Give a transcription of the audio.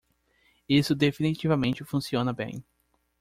Isso definitivamente funciona bem.